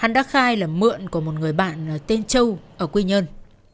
hắn đã khai là mượn của một người bạn tên châu ở quy nhơn